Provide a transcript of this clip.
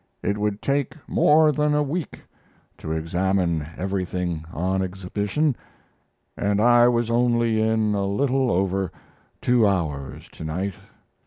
It would take more than a week to examine everything on exhibition; and I was only in a little over two hours to night.